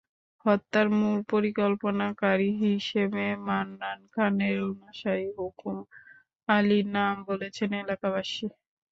হত্যার মূল পরিকল্পনাকারী হিসেবে মান্নান খানের অনুসারী হুকুম আলীর নাম বলছেন এলাকাবাসী।